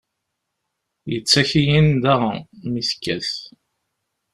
Yettaki i nnda mi tekkat.